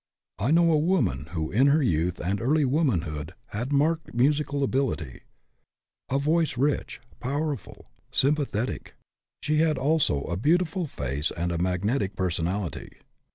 I know a woman who in her youth and early womanhood had marked musical ability FREEDOM AT ANY COST 47 a voice rich, powerful, sympathetic. She had also a beautiful face and a magnetic per sonality.